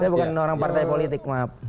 saya bukan orang partai politik